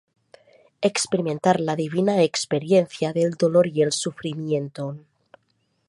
Experimentar la divina experiencia del dolor y el sufrimiento.